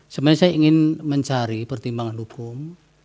sebenarnya saya ingin mencari pertimbangan hukum